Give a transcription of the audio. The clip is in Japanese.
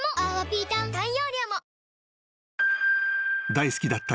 ［大好きだった